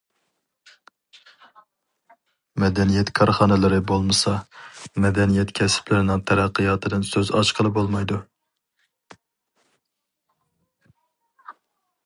مەدەنىيەت كارخانىلىرى بولمىسا، مەدەنىيەت كەسىپلىرىنىڭ تەرەققىياتىدىن سۆز ئاچقىلى بولمايدۇ.